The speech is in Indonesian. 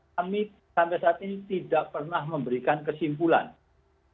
kami sampai saat ini tidak pernah memberikan kesimpulan soal dugaan ini